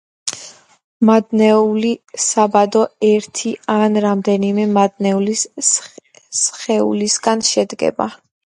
მადნეული საბადო ერთი ან რამდენიმე მადნეული სხეულისგან შედგება.